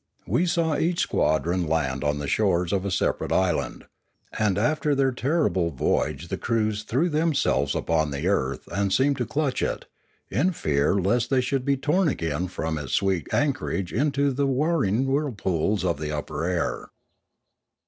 We saw each squadron land on the shores of a separate island; and after their terrible voyage the crews threw themselves upon the earth and seemed to clutch it, in fear lest they should be torn again from its sweet anchorage into the warring whirlpools of the upper air.